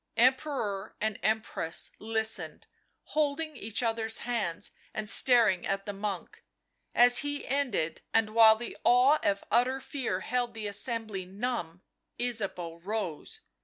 Emperor and Empress listened, holding each other's hands and staring at the monk; as he ended, and while the awe of utter fear held the assembly numb, Ysabeau rose.